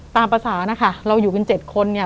ตามภาษานะคะเราอยู่กัน๗คนเนี่ย